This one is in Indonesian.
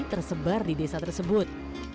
tersebar di desa tersebut